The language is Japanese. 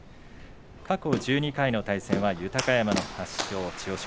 過去１２回の対戦は豊山の８勝千代翔